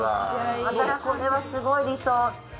これはすごい理想。